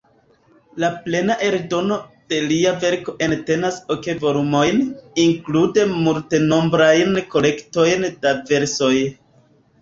La plena eldono de lia verko entenas ok volumojn, inklude multenombrajn kolektojn da versoj.